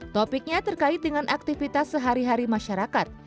topiknya terkait dengan aktivitas sehari hari masyarakat